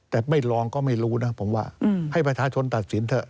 แต่ไม่ลองก็ไม่รู้นะผมว่าให้ประชาชนตัดสินเถอะ